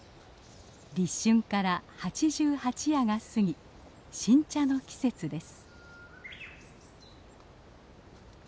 立春から八十八夜が過ぎ新茶の季節です。